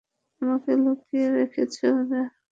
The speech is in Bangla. আমাকে লুকিয়ে রেখেছে ওরা?